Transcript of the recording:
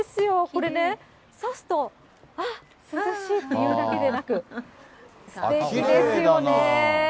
これね、差すと、あっ、涼しいというだけでなく、すてきですよね。